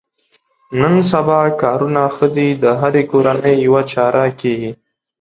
نن سبا کارونه ښه دي د هرې کورنۍ یوه چاره کېږي.